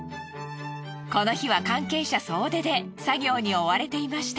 この日は関係者総出で作業に追われていました。